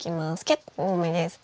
結構多めです。